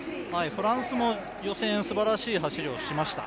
フランスも予選すばらしい走りをしました。